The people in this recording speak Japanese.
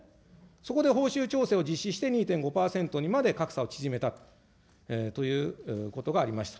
そこで報酬調整を実施して、２．５％にまで格差を縮めたということがありました。